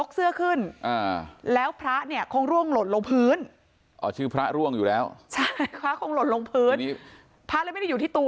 เข้าเลยตายเลย